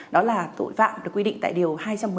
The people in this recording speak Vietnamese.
đó là tội phạm được quy định tại điều hai trăm một mươi